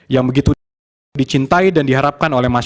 yang begitu dicintai dan diharapkan oleh masyarakat